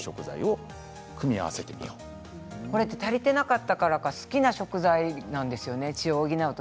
足りていなかったからか好きな食材なんですよね。